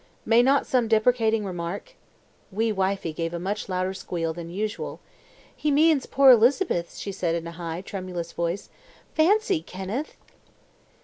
May not some deprecating remark " Wee wifie gave a much louder squeal than usual. "He means poor Elizabeth," she said in a high, tremulous voice. "Fancy, Kenneth!"